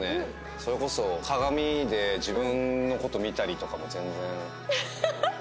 それこそ鏡で自分の事見たりとかも全然しますし。